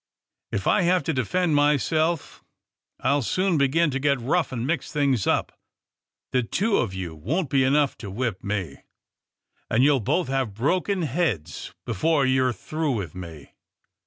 If I have to defend myself I'll soon begin to get rough and mix things up. The two of you won't be enough to whip me, and you'll both have broken heads before you're through with me."